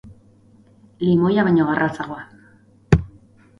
Limoia baino garratzagoa.